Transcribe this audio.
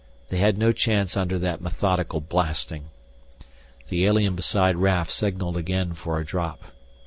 They had no chance under that methodical blasting. The alien beside Raf signaled again for a drop.